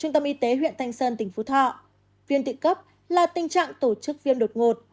trung tâm y tế huyện thanh sơn tỉnh phú thọ viêm tự cấp là tình trạng tổ chức viêm đột ngột